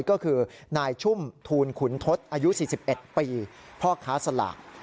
ก็คือนายชุ่มทูลขุนทศอายุ๔๑ปีพ่อค้าสลาก